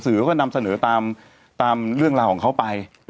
เขาก็นำเสนอตามเรื่องราวของเขาไป